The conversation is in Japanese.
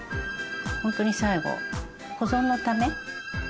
ほんとに最後保存のため。